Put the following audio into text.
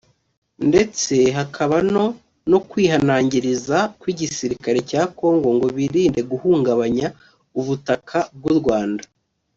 ndetse hakabano no kwihanangirizwa kw’iigisirikare cya Kongo ngo birinde guhungabanya ubutaka bw’u Rwanda